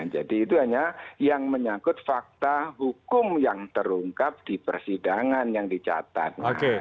jadi itu hanya yang menyangkut fakta hukum yang terungkap di persidangan yang dicatat